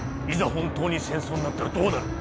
本当に戦争になったらどうなる？